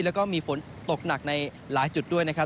แล้วก็มีฝนตกหนักในหลายจุดด้วยนะครับ